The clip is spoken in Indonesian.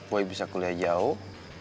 boy bisa kuliah jauh